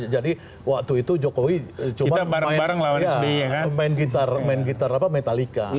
jadi waktu itu jokowi cuma main gitar metallica